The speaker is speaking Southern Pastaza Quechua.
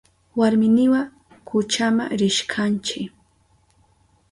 Warminiwa kuchama rishkanchi.